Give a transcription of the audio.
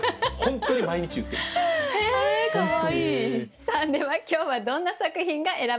さあでは今日はどんな作品が選ばれたのでしょうか。